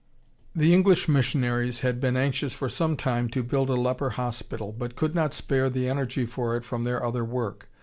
"The English Missionaries had been anxious for some time to build a leper hospital, but could not spare the energy for it from their other work.